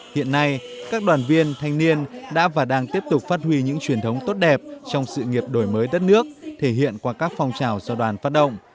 hiện nay các đoàn viên thanh niên đã và đang tiếp tục phát huy những truyền thống tốt đẹp trong sự nghiệp đổi mới đất nước thể hiện qua các phong trào do đoàn phát động